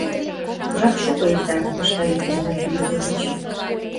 — Жап шуко эрта, — ыштале Кузьма Филиппович.